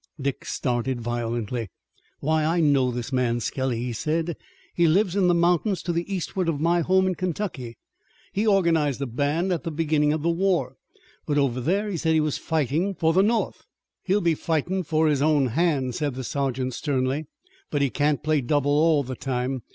Dick started violently. "Why, I know this man Skelly," he said. "He lives in the mountains to the eastward of my home in Kentucky. He organized a band at the beginning of the war, but over there he said he was fightin' for the North." "He'll be fightin' for his own hand," said the sergeant sternly. "But he can't play double all the time.